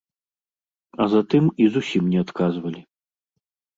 А затым і зусім не адказвалі.